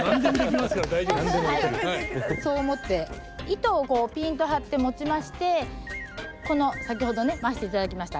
そう思って糸をピンと張って持ちましてこの先ほどね回していただきました